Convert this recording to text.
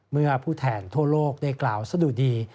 เมื่อผู้แทนทั่วโลกได้กล่าวสะดุดี